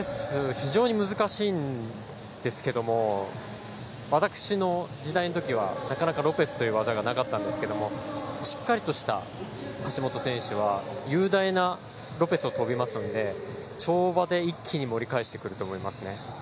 非常に難しいんですけども私の時代の時はなかなかロペスという技がなかったんですがしっかりと橋本選手は雄大なロペスを跳びますので跳馬で一気に盛り返してくると思いますね。